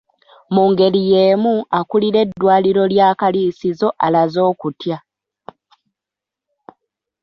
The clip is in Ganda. Mu ngeri y’emu, akulira eddwaliro lya Kaliisizo alaze okutya.